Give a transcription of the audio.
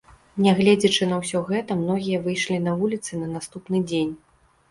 Нягледзячы на ўсё гэта, многія выйшлі на вуліцы на наступны дзень.